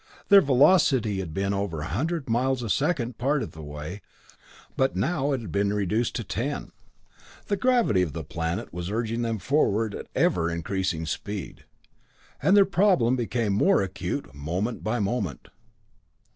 Their velocity had been over a hundred miles a second part of the way, but now it had been reduced to ten. The gravity of the planet was urging them forward at ever increasing speed, and their problem became more acute moment by moment.